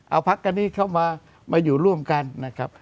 เอาพักกันนี้เข้ามามาอยู่ร่วมกันนะครับ